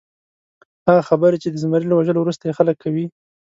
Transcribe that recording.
هغه خبرې چې د زمري له وژلو وروسته یې خلک کوي.